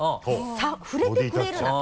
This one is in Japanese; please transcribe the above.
触れてくれるなと。